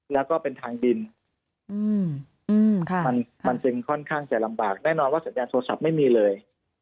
แล้วก็เป็นทางดินมันจึงค่อนข้างจะลำบากแน่นอนว่าสัญญาณโทรศัพท์ไม่มีเลย